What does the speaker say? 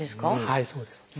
はいそうです。